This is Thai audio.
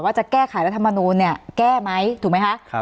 จะแก้ไขรัฐมนูลเนี่ยแก้ไหมถูกไหมคะ